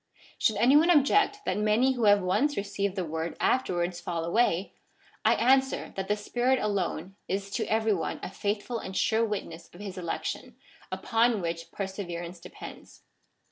Should any one object that many who have once received the word afterwards fall away, I answer that the Spirit alone is to every one a faithful and sure witness of his election, upon which perseverance depends.